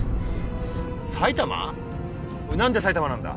おい何で埼玉なんだ？